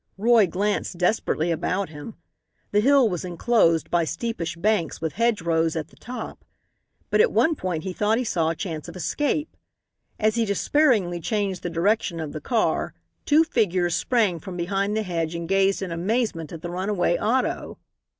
Roy glanced desperately about him. The hill was enclosed by steepish banks with hedgerows at the top. But at one point he thought he saw a chance of escape. As he despairingly changed the direction of the car two figures sprang from behind the hedge and gazed in amazement at the runaway auto.